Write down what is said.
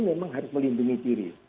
memang harus melindungi diri